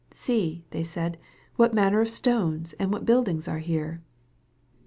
" See," they said, " what manner of stones and what buildings are here